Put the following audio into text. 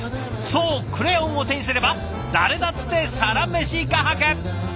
そうクレヨンを手にすれば誰だってサラメシ画伯。